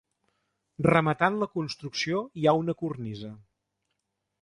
Rematant la construcció hi ha una cornisa.